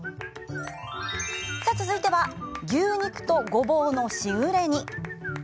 続いては牛肉とゴボウのしぐれ煮。